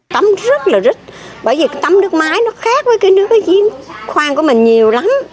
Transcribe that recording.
tắm rất là rít bởi vì tắm nước mái nó khác với cái nước khoan của mình nhiều lắm